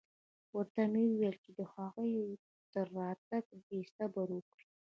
ورته مې وويل چې د هغوى تر راتگه دې صبر وکړي.